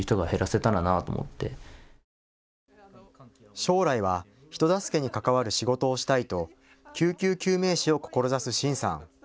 将来は人助けに関わる仕事をしたいと救急救命士を志す真さん。